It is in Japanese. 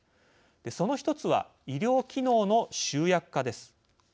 その１つは医療機能の集約化です。